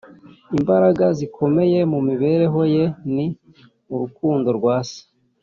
imbaraga zikomeye mu mibereho ye, ni urukundo rwa se." —